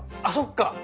あそっか！